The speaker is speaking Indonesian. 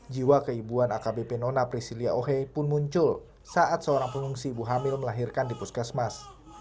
jiwa keibuan akbp nona priscilia ohe pun muncul saat seorang pengungsi ibu hamil melahirkan di puskesmas